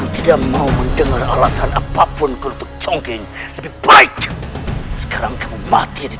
sampai jumpa di video selanjutnya